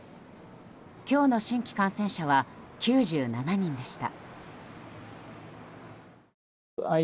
今日の新規感染者は９７人でした。